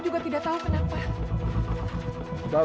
aku tidak mau